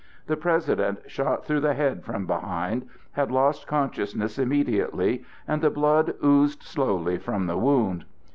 The President, shot through the head from behind, had lost consciousness immediately, and the blood oozed slowly from the wound.